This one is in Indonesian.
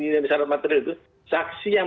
disana materil itu saksi yang